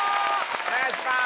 お願いします！